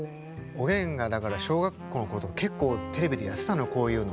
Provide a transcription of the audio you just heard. おげんがだから小学校の頃とか結構テレビでやってたのよこういうの。